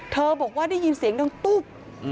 บอกว่าได้ยินเสียงดังตุ๊บ